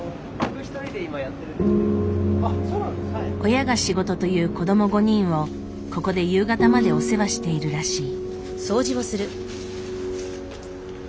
親が仕事という子ども５人をここで夕方までお世話しているらしい。